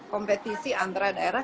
kompetisi antara daerah